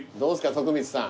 徳光さん。